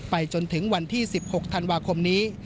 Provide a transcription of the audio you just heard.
จนถึงวันที่๑๖ธันวาคมนี้